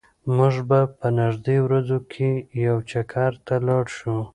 موږ به په نږدې ورځو کې یو چکر ته لاړ شو.